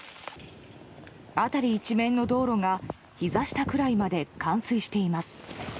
辺り一面の道路がひざ下くらいまで冠水しています。